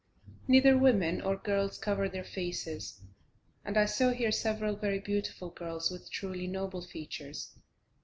Neither women or girls cover their faces, and I saw here several very beautiful girls with truly noble features.